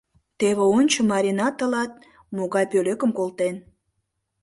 Теве, ончо, Марина тылат могай пӧлекым колтен.